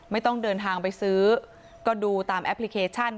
ไม่ต้องเดินทางไปซื้อก็ดูตามแอปพลิเคชัน